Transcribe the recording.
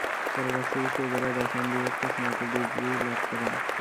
পরে রাজশাহী বিশ্ববিদ্যালয়ের রসায়ন বিভাগ থেকে স্নাতক ডিগ্রী লাভ করেন তিনি।